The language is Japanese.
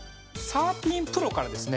１３Ｐｒｏからですね